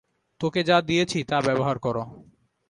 তোকে যা দিয়েছি তা ব্যবহার কর।